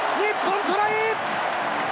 日本トライ！